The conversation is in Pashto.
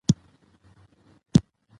د افغانستان جغرافیه کې انار ستر اهمیت لري.